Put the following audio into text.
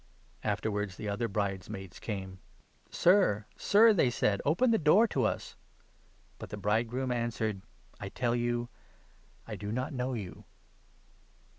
Afterwards the other brides 1 1 maids came. 'Sir, Sir,' they said, 'open the door to us!' But the bridegroom answered 'I tell you, I do not know 12 you.'